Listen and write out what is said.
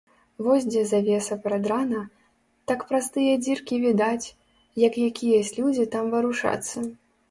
Вось дзе завеса прадрана, так праз тыя дзіркі відаць, як якіясь людзі там варушацца.